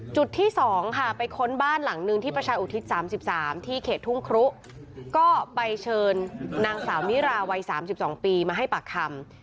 จุดที่๒ค่ะไปค้นบ้านหลังนึงที่ประชาอุทิศ๓๓ที่เขตทุ่งครุก็ไปเชิญนางสาวมิราวัย๓๒ปีมาให้ปากคำ